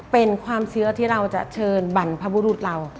เป็นความเชื่อที่เราจะเชิญบรรพบุรุษเรา